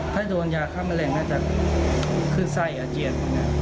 ถ้าโดนยาฆ่าแมลงน่าจะคือไส้อาเจียน